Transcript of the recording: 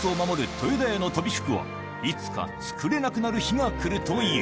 豊多屋の鳶服はいつか作れなくなる日が来るという